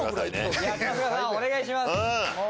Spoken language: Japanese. お願いします！